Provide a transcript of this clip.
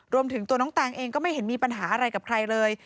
รวมถึงตัวน้องแตงเองก็ไม่เห็นมีปัญหาอะไรกับใครเลย